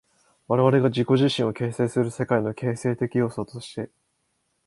我々が自己自身を形成する世界の形成的要素として、